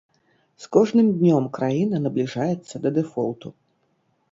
З кожным днём краіна набліжаецца да дэфолту.